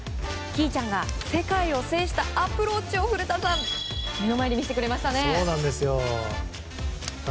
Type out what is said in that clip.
稀唯ちゃんが世界を制したアプローチを目の前で見せてくれましたね。